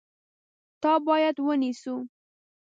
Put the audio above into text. تا باید ونیسو !